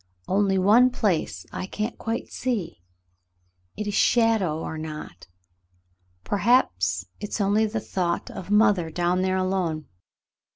Only one place — I can't quite see — is it shadow or not. Perhaps it's only the thought of mother down there alone."